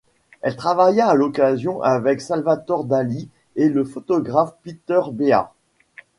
Elle travailla à l'occasion avec Salvador Dalí et le photographe Peter Beard.